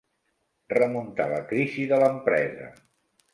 Remuntar la crisi de l'empresa.